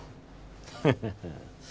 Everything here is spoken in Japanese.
フフフッ。